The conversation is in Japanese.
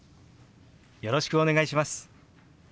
よろしくお願いします。